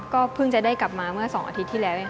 ก็เพิ่งจะได้กลับมาเมื่อ๒อาทิตย์ที่แล้วเอง